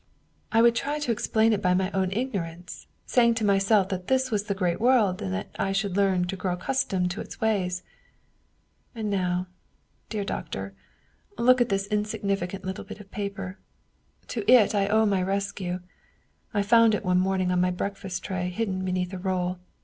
I would try to explain it by my own ignorance, saying to myself that this was the great world, and that I should learn to grow accustomed to its ways. " And now, dear doctor, look at this insignificant little bit of paper. To it I owe my rescue. I found it one morn ing on my breakfast tray, hidden beneath a roll.